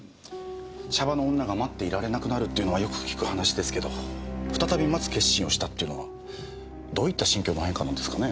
シャバの女が待っていられなくなるっていうのはよく聞く話ですけど再び待つ決心をしたっていうのはどういった心境の変化なんですかね？